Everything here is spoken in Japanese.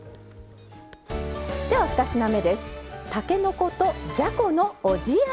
では２品目です。